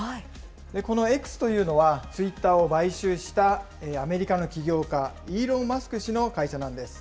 このＸというのは、ツイッターを買収したアメリカの起業家、イーロン・マスク氏の会社なんです。